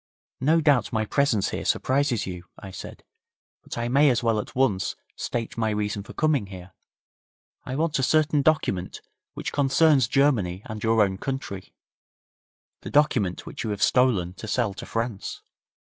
'No doubt my presence here surprises you,' I said, 'but I may as well at once state my reason for coming here. I want a certain document which concerns Germany and your own country the document which you have stolen to sell to France.'